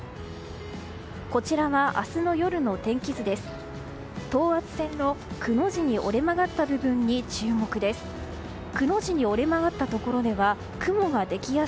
こちらは明日の夜の天気図です。